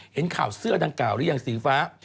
เห็นข่าวเสื้อดังกล่าวหรือยังสีฟ้า